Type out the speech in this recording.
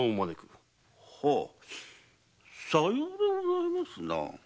はぁさようでございますな。